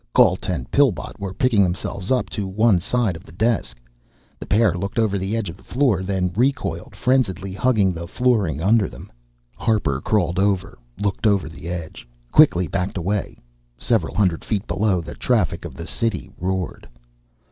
Gault and Pillbot were picking themselves up to one side of the desk. The pair looked over the edge of the floor, then recoiled, frenziedly hugging the flooring under them. Harper crawled over, looked over the edge, quickly backed away. Several hundred feet below, the traffic of the city roared!